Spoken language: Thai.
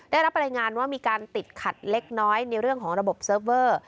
ได้รับรายงานว่ามีการติดขัดเล็กน้อยในเรื่องของระบบเซิร์ฟเวอร์